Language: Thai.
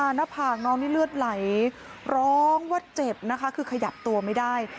หน้าผากน้องนี่เลือดไหลร้องว่าเจ็บนะคะคือขยับตัวไม่ได้